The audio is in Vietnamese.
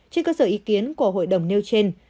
trên cơ sở ý kiến của hội đồng nêu trên